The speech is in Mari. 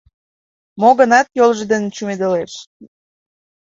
Мо-гынат йолжо дене чумедылеш.